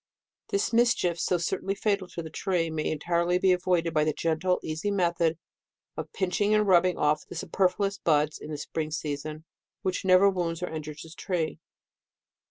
This mis chief, so certainly fatal to the tree, may be entirely avoided by the gentle, easy method of pinching and rubbing off the superfluous buds in the spring season, which never wounds or injures the tree.